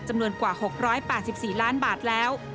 จำนวนกว่า๖๘๔ล้านบาทแล้ว